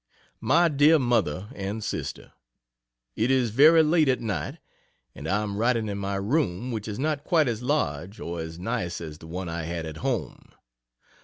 MY DEAR MOTHER AND SISTER, It is very late at night, and I am writing in my room, which is not quite as large or as nice as the one I had at home.